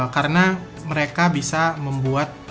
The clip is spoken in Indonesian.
karena mereka bisa membuat